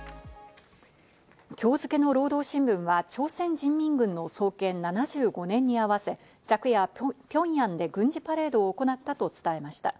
今日付けの労働新聞は朝鮮人民軍の創建７５年に合わせ、昨夜、ピョンヤンで軍事パレードを行ったと伝えました。